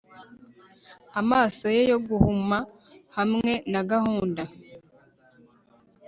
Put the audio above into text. Amaso ye yo guhuma hamwe na gahunda